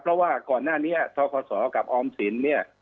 เพราะว่าก่อนหน้านี้ทกศกับออมสินเนี่ย